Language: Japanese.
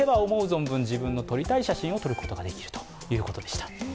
存分自分の撮りたい写真を撮ることができるということでした。